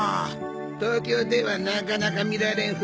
東京ではなかなか見られん風景だろ？